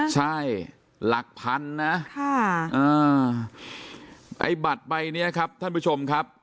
ใช่หลักพันนะไอ้บัตรใบเนี้ยครับท่านผู้ชมครับ